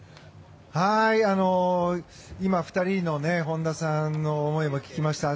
今、２人の本田さんに思いも聞きました。